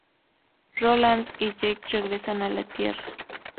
Roland y Jake regresan a la Tierra.